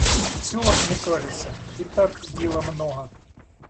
В селах, мне кажется, и так дела много.